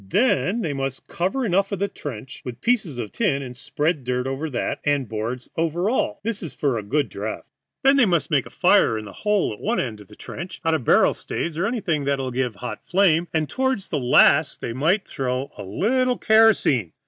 Then they must cover over the trench with pieces of tin and spread dirt over that, and boards over all; this is for a good draught. Then they must make a fire in the hole at one end of the trench out of barrel staves or anything that will give a hot flame, and toward the last they might throw on a little kerosene.